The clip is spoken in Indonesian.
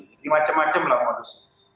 ini macam macam lah modusnya